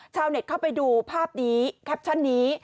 ชาวเน็ตเข้าไปดูภาพนี้แคปชั่นนี้